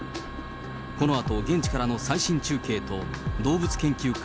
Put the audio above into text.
このあと、現地からの最新中継と、動物研究家、